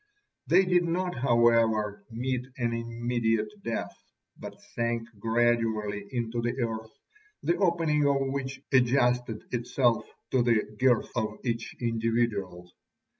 They did not, however, meet an immediate death, but sank gradually into the earth, the opening of which adjusted itself to the girth of each individual.